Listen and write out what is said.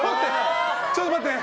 ちょっと待って。